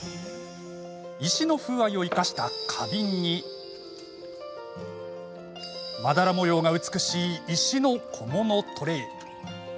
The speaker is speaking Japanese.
石の風合いを生かした花瓶にまだら模様が美しい石の小物トレイ。